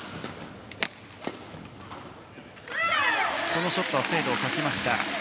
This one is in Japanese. このショットは精度を欠きました。